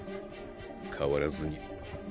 変わらずに。